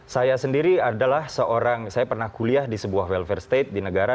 saya sendiri adalah seorang saya pernah kuliah di sebuah welfare state di negara